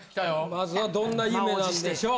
まずはどんな夢なんでしょう？